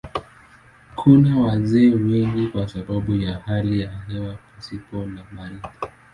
Kuna wazee wengi kwa sababu ya hali ya hewa pasipo na baridi.